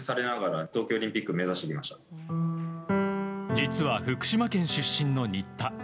実は、福島県出身の新田。